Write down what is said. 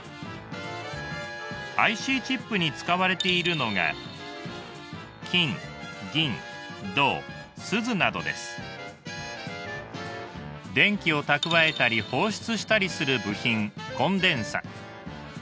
ＩＣチップに使われているのが電気を蓄えたり放出したりする部品コンデンサ。